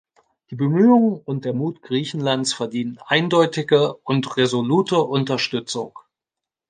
Die Bemühungen und der Mut Griechenlands verdienen eindeutige und resolute Unterstützung.